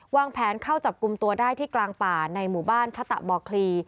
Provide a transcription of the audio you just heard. วางแผนเข้าจับกลุ่มตัวได้ที่กลางป่าในหมู่บ้านพะตะบ่อคลี